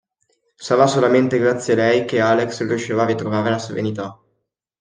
Sarà solamente grazie a lei che Alex riuscirà a ritrovare la serenità.